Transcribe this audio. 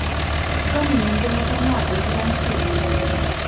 专门研究东亚国际关系。